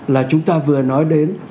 là chúng ta vừa nói đến